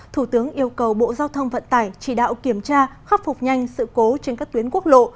thủ tướng yêu cầu bộ giao thông vận tải chỉ đạo kiểm tra khắc phục nhanh sự cố trên các tuyến quốc lộ